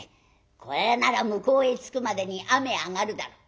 これなら向こうへ着くまでに雨上がるだろ」。